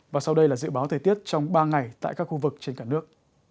và sau đây là dự báo thời tiết trong ba ngày tại các khu vực trên cả nước